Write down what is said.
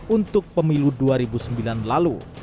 untuk pemilu dua ribu sembilan lalu